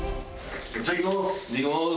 いただきます！